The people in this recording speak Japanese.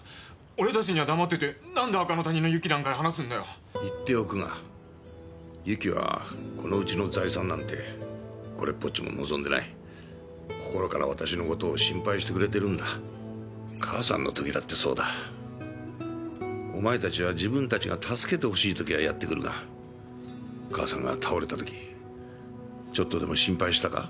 俺たちには黙っててなんで赤の他人の友紀なんかに話すんだよ言っておくが友紀はこのうちの財産なんてこれっぽっちも望んでない心から私のことを心配してくれてるんだ母さんの時だってそうだお前たちは自分たちが助けてほしい時はやってくるが母さんが倒れた時ちょっとでも心配したか？